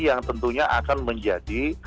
yang tentunya akan menjadi